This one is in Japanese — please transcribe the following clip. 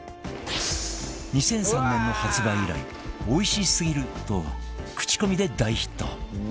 ２００３年の発売以来おいしすぎると口コミで大ヒット